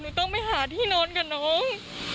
ต้องไปหาที่นอนกับน้อง